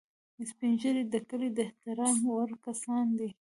سپین ږیری د کلي د احترام وړ کسان دي